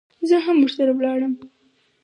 زه هم ورسره ولاړم.